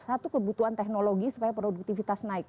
satu kebutuhan teknologi supaya produktivitas naik